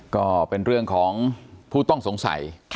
ก็เป็นเรื่องของผู้ต้องสงสัย